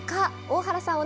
大原さん